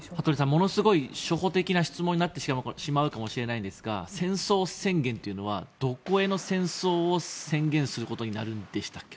ものすごい初歩的な質問になってしまいますが戦争宣言というのはどこへの戦争を宣言することになるんでしたっけ？